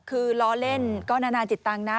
คือล้อเล่นก็นานาจิตตังค์นะ